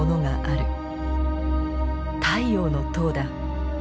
太陽の塔だ。